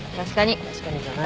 「確かに」じゃない。